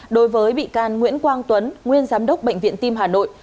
đối với bị can nguyễn quang tuấn nguyên giám đốc bệnh viện tim hà nội